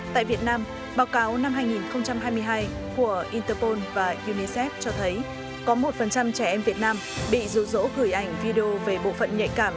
tại việt nam báo cáo năm hai nghìn hai mươi hai của interpol và unicef cho thấy có một trẻ em việt nam bị rụ rỗ gửi ảnh video về bộ phận nhạy cảm